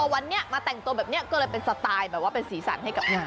วันนี้มาแต่งตัวแบบนี้ก็เลยเป็นสไตล์แบบว่าเป็นสีสันให้กับงาน